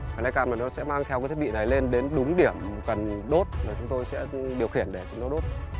flycam là nó sẽ mang theo cái thiết bị này lên đến đúng điểm cần đốt rồi chúng tôi sẽ điều khiển để chúng nó đốt